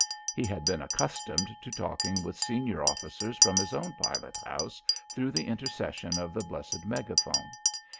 He had been accustomed to talking with senior officers from his own pilot house through the intercession of the blessed megaphone.